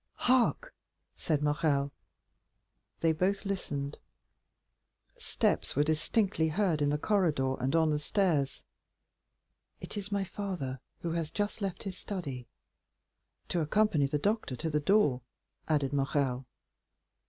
"Hark!" said Morrel. They both listened; steps were distinctly heard in the corridor and on the stairs. "It is my father, who has just left his study." "To accompany the doctor to the door," added Morrel.